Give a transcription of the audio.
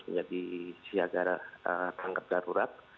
menjadi siaga tangkap darurat